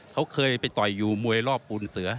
เขาเคยไปต่อยอยู่มวยรอบปูนเสือ